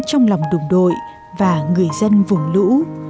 trong lòng đồng đội và người dân vùng lũ